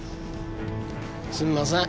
すんません。